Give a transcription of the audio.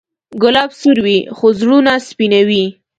ګلاب سور وي، خو زړونه سپینوي.